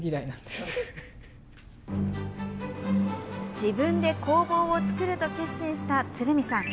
自分で工房を作ると決心した鶴見さん。